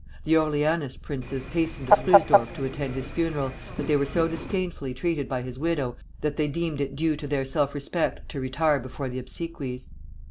The Orleanist princes hastened to Fröhsdorf to attend his funeral, but they were so disdainfully treated by his widow that they deemed it due to their self respect to retire before the obsequies.